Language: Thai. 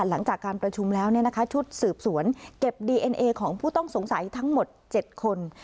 หลังจากการประชุมแล้วชุดสืบสวนเก็บดีเอ็นเอของผู้ต้องสงสัยทั้งหมด๗คน